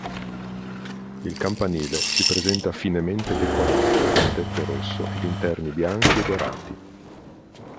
Il campanile si presenta finemente decorato, con tetto rosso ed interni bianchi e dorati.